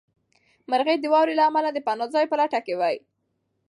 مرغۍ د واورې له امله د پناه ځای په لټه کې وې.